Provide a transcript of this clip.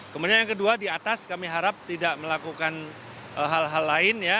kemudian yang kedua di atas kami harap tidak melakukan hal hal lain ya